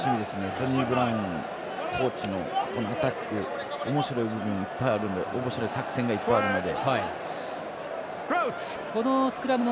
トニー・ブラウンコーチのアタック、おもしろい部分おもしろい作戦がいっぱいあるので。